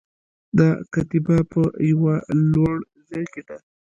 دا کتیبه په یوه لوړ ځای کې ده